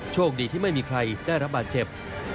โชคดีที่ไม่มีใครได้รับบาดเจ็บ